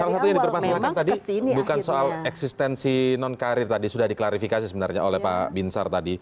salah satunya yang diperpasangkan tadi bukan soal eksistensi non karir tadi sudah diklarifikasi sebenarnya oleh pak bin sar tadi